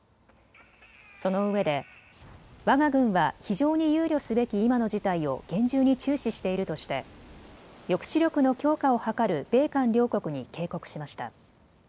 そのうえでわが軍は非常に憂慮すべき今の事態を厳重に注視しているとして抑止力の強化を図る米韓両国に警告しました。